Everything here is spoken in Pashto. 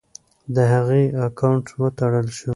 د هغې اکاونټ وتړل شو.